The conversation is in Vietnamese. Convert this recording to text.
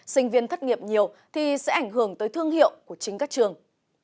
sinh viên thất nghiệp nhiều thì sẽ ảnh hưởng tới thương hiệu của chính các trường